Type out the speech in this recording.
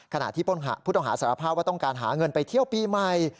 ขณะที่ผู้ต้องหาสารภาพว่าต้องการหาเงินไปเที่ยวปีใหม่